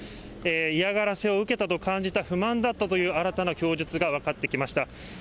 嫌がらせを受けたと感じた、不満だったという新たな供述が分かってきました。